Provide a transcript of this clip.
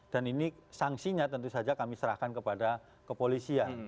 dan ini sangsinya tentu saja kami serahkan kepada kepolisian